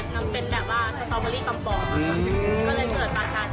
จะเป็นน้ำแดงเป็นแบบสตอเบอร์บอร์มาก